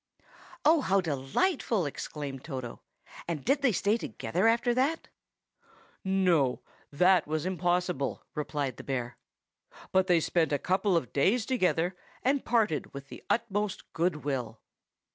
"Oh! how delightful!" exclaimed Toto. "And did they stay together after that?" "They found the two dancing a hornpipe." "No, that was impossible," replied the bear. "But they spent a couple of days together, and parted with the utmost good will.